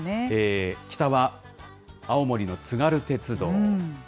北は青森の津軽鉄道。